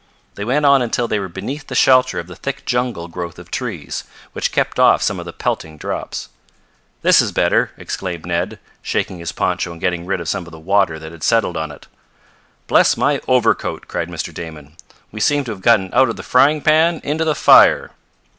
They went on until they were beneath the shelter of the thick jungle growth of trees, which kept off some of the pelting drops. "This is better!" exclaimed Ned, shaking his poncho and getting rid of some of the water that had settled on it. "Bless my overcoat!" cried Mr. Damon. "We seem to have gotten out of the frying pan into the fire!"